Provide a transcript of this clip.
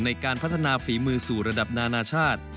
ในการพัฒนาฝีมือสู่ระดับนานาชาติ